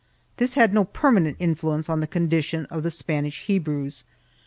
3 This had no permanent influence on the condition of the Spanish Hebrews.